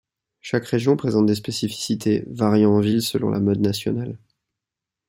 Chaque région présente des spécificités, variant en ville selon la mode nationale.